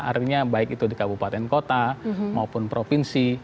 artinya baik itu di kabupaten kota maupun provinsi